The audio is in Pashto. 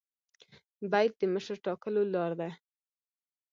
بیعت د مشر ټاکلو لار ده